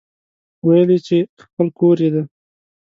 ويل يې چې خپل کور يې دی.